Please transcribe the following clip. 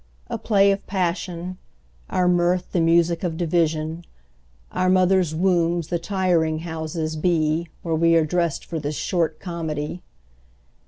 A play of passion, Our mirth the music of division, Our mother's wombs the tiring houses be, Where we are dressed for this short comedy.